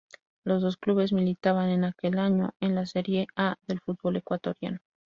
Los dos clubes militaban en aquel año en la Serie A del Fútbol Ecuatoriano.